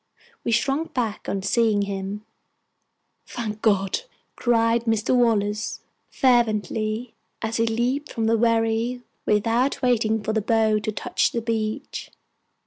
We shrunk back on seeing him. "Thank God!" cried Mr. Wallace, fervently, as he leaped from the wherry without waiting for the bow to touch the beach.